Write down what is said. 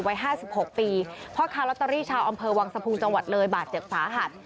๕๖ปีพ่อค้าลอตเตอรี่ชาวอำเภอวังสะพุงจังหวัดเลยบาดเจ็บสาหัส